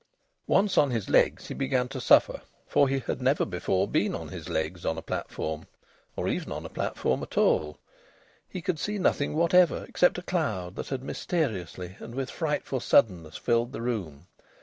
Once on his legs he began to suffer, for he had never before been on his legs on a platform, or even on a platform at all. He could see nothing whatever except a cloud that had mysteriously and with frightful suddenness filled the room.